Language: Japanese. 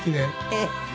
ええ。